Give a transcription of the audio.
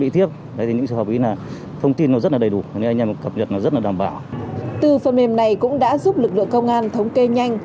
từ phần mềm này cũng đã giúp lực lượng công an thống kê nhanh